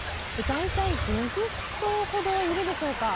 大体５０頭ほどいるでしょうか。